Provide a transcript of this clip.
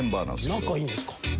仲いいんですか？